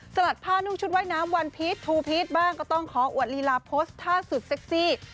ลัดผ้านุ่งชุดว่ายน้ำวันพีชทูพีชบ้างก็ต้องขออวดลีลาโพสต์ท่าสุดเซ็กซี่